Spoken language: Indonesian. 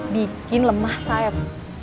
bikin lemah sayap